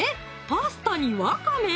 パスタにわかめ？